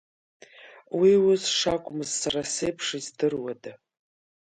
Уи ус шакәмыз сара сеиԥш издыруада!